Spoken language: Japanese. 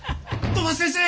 ・土橋先生！